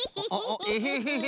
エヘヘヘ。